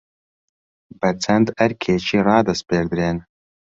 بە چەند ئەرکێکی رادەسپێردرێن